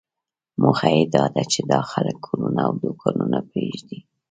موخه یې داده چې دا خلک کورونه او دوکانونه پرېږدي.